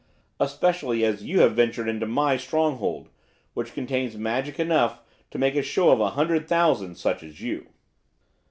Especially as you have ventured into my stronghold, which contains magic enough to make a show of a hundred thousand such as you.